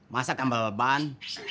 masak ambal ban